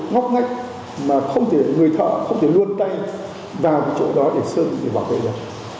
ngóc ngách mà không thể người thợ không thể luôn tay vào cái chỗ đó để sơn để bảo vệ được